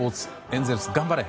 エンゼルス頑張れ！